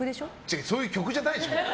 そういう曲じゃないでしょ！